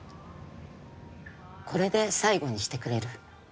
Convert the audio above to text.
これで最後にしてくれる？